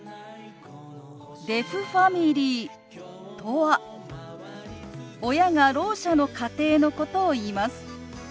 デフファミリーとは親がろう者の家庭のことをいいます。